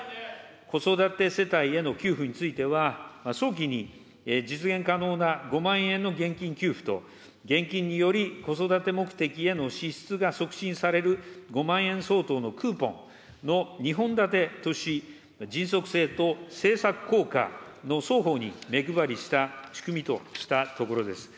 子育て世帯への給付については、早期に実現可能な５万円の現金給付と、現金により子育て目的への支出が促進される５万円相当のクーポンの２本立てとし、迅速性と政策効果の双方に目配りした仕組みとしたところです。